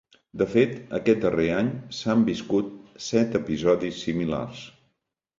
De fet, aquest darrer any s’han viscut set episodis similars.